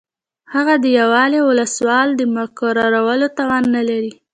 هغه د یو والي او ولسوال د مقررولو توان نه لري.